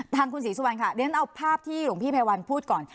ทางคุณศรีสุวรรณค่ะเรียนเอาภาพที่หลวงพี่ไพรวัลพูดก่อน